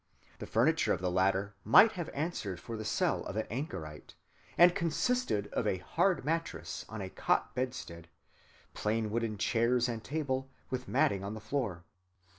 The furniture of the latter might have answered for the cell of an anchorite, and consisted of a hard mattress on a cot‐bedstead, plain wooden chairs and table, with matting on the floor.